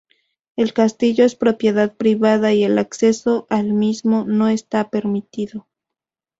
El castillo es propiedad privada y el acceso al mismo no está permitido.